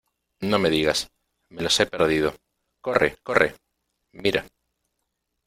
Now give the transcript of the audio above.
no me digas, me los he perdido. ¡ corre , corre! mira .